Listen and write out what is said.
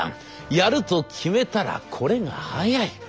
やると決めたらこれが早い。